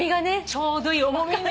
ちょうどいい重みね。